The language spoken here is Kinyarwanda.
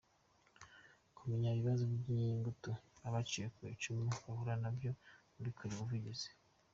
Kumenya ibibazo by’ingutu abacitse ku icumu bahurana nabyo no kubikorera ubuvugizi.